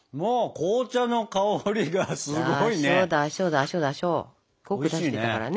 濃く出してたからね